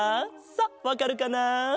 さあわかるかな？